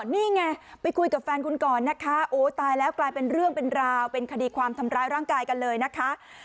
นี่ไงไปคุยกับแฟนคุณก่อนนะคะโอ้ตายแล้วกลายเป็นเรื่องเป็นราวเป็นคดีความทำร้ายร่างกายกันเลยนะคะ